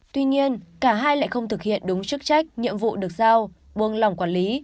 tuy nhiên cả hai lại không thực hiện đúng chức trách nhiệm vụ được giao buông lòng quản lý